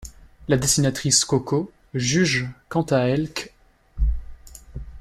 La dessinatrice Coco juge quant à elle qu’.